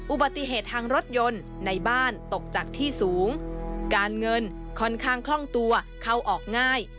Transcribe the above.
อุบัติเหตุทางรถยนต์ในบ้านตกจากที่สูงการเงินค่อนข้างคล่องตัวเข้าออกง่าย